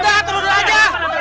udah turun aja